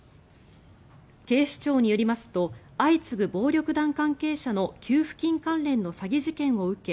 警視庁によりますと相次ぐ暴力団関係者の給付金関連の詐欺事件を受け